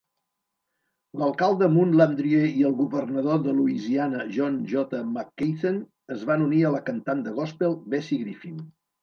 L'alcalde Moon Landrieu i el governador de Louisiana John J. McKeithen es van unir a la cantant de gospel Bessie Griffin.